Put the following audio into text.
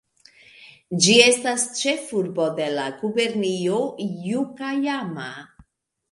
Ĝi estas ĉefurbo de la gubernio Ŭakajama.